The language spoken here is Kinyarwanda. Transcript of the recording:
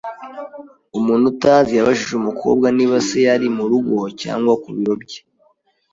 Umuntu utazi yabajije umukobwa niba se yari mu rugo cyangwa ku biro bye.